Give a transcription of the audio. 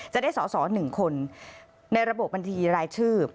จะได้สอสอ๑คนในระบบบัญชีรายชื่อ